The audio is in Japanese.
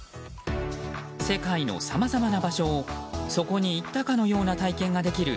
世界のさまざまな場所をそこに行ったかのような体験ができる